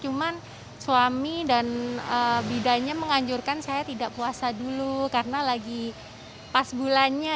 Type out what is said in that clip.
cuman suami dan bidanya menganjurkan saya tidak puasa dulu karena lagi pas bulannya